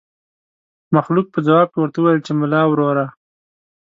مخلوق په ځواب کې ورته وويل چې ملا وروره.